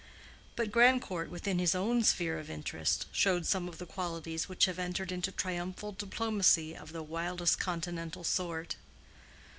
But Grandcourt, within his own sphere of interest, showed some of the qualities which have entered into triumphal diplomacy of the wildest continental sort.